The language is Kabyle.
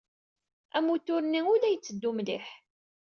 Amutur-nni ur la itteddu mliḥ.